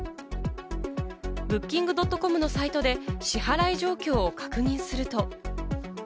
Ｂｏｏｋｉｎｇ．ｃｏｍのサイトで支払い状況を確認すると。